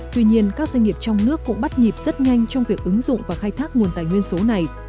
tuy nhiên các doanh nghiệp trong nước cũng bắt nhịp rất nhanh trong việc ứng dụng và khai thác nguồn tài nguyên số này